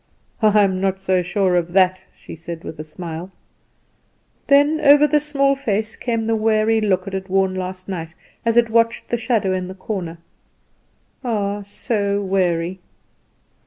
"I am not so sure of that," she said with a smile. Then over the small face came the weary look it had worn last night as it watched the shadow in the corner, Ah, so weary!